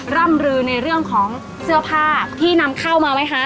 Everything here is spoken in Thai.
ร่ำบลือในการเสื้อผ้าที่นำเข้ามาไหมฮะ